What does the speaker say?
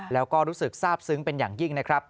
แล้วก็รู้สึกทราบซึ้งเป็นอย่างยิ่งนะครับ